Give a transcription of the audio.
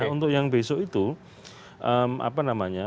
untuk yang besok itu apa namanya